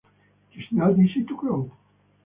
It is not easy to grow.